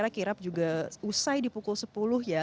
kirap juga usai di pukul sepuluh ya